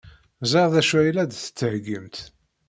Ẓriɣ d acu ay la d-tettheyyimt.